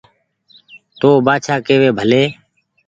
تو ن بآڇآ ڪيوي ڀلي